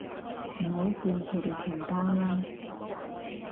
唔好叫佢哋同胞啦